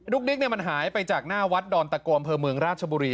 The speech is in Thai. ดุ๊กดิ๊กมันหายไปจากหน้าวัดดอนตะกรมเพลิมเมืองราชบุรี